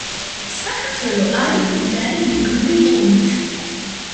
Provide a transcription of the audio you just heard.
საქართველო არი მდიდარი მეგრული ენით.